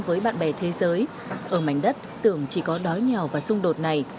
với bạn bè thế giới ở mảnh đất tưởng chỉ có đói nghèo và xung đột này